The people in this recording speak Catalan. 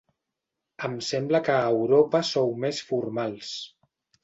Em sembla que a Europa sou més formals.